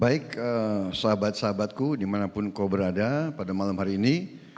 baik sahabat sahabatku dimanapun kau berada pada malam hari ini